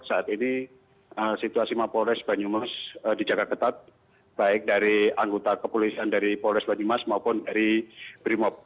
saat ini situasi mapolres banyumas dijaga ketat baik dari anggota kepolisian dari polres banyumas maupun dari brimob